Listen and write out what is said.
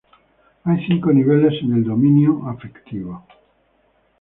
Hay cinco niveles en el dominio afectivo.